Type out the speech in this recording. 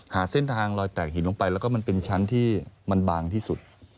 หาเส้นทางลอยแตกหินลงไปแล้วก็มันเป็นชั้นที่มันบางที่สุด